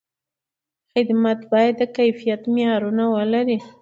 خدمت باید د کیفیت معیارونه ولري.